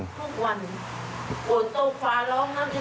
ต้องมา